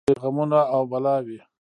خدای تړلي ترې غمونه او بلاوي